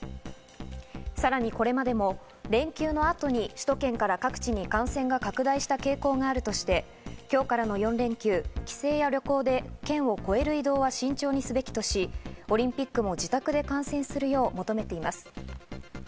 さらにこれまでも連休の後に首都圏から各地に感染が拡大した傾向があるとして、今日からの４連休、帰省や旅行で県を越える移動は慎重にすべきとし、オリンピックも自宅で観戦するよう求めています。